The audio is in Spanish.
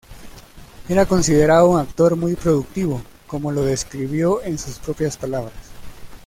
Era considerado un actor "muy productivo", como lo describió en sus propias palabras.